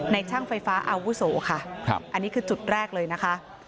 ช่างไฟฟ้าอาวุโสค่ะอันนี้คือจุดแรกเลยนะคะ